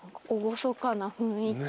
厳かな雰囲気。